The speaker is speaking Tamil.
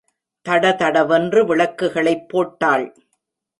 தடதடவென்று விளக்குகளைப் போட்டாள்.